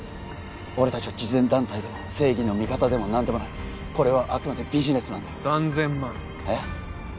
俺達は慈善団体でも正義の味方でも何でもないこれはあくまでビジネスなんだよ３０００万えっ？